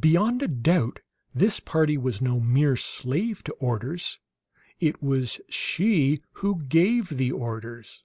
Beyond a doubt, this party was no mere slave to orders; it was she who gave the orders.